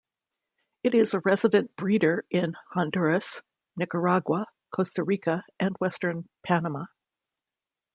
It is a resident breeder in Honduras, Nicaragua, Costa Rica and western Panama.